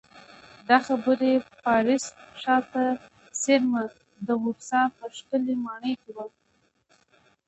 دا خبرې پاریس ښار ته څېرمه د ورسا په ښکلې ماڼۍ کې وې